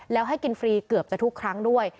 แล้วให้กินฟรีเกือบจะทุกครั้งด้วย